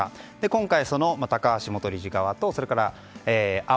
今回、高橋元理事側とそれからＡＯＫＩ。